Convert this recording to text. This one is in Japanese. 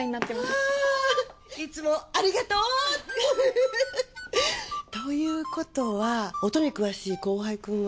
あいつもありがとう！ということは音に詳しい後輩くんは？